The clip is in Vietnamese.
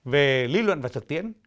về lý luận và thực tiễn